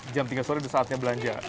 jam tiga sore sudah saatnya belanja